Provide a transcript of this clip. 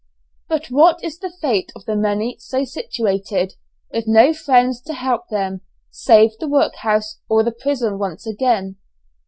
But what is the fate of the many so situated, with no friends to help them, save the workhouse or the prison once again?